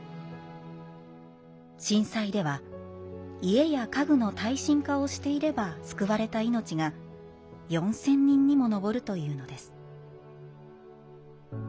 震災では家や家具の耐震化をしていれば救われた命が４，０００人にも上るというのです。